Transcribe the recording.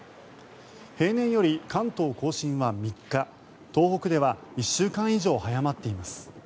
平年より関東・甲信は３日東北では１週間以上早まっています。